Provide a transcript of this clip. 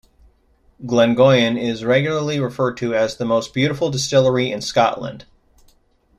Glengoyne is regularly referred to as the "most beautiful distillery in Scotland".